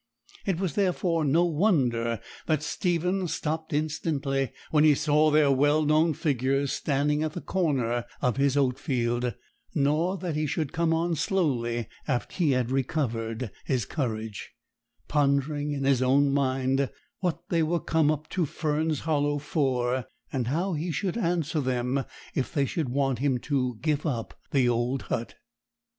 It was therefore no wonder that Stephen stopped instantly when he saw their well known figures standing at the corner of his oat field; nor that he should come on slowly after he had recovered his courage, pondering in his own mind what they were come up to Fern's Hollow for, and how he should answer them if they should want him to give up the old hut.